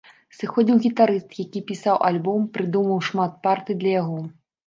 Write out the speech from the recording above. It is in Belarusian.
Сыходзіў гітарыст, які пісаў альбом, прыдумаў шмат партый для яго.